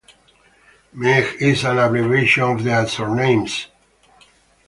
MiG is an abbreviation of their surnames.